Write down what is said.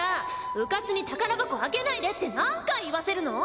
うかつに宝箱開けないでって何回言わせるの！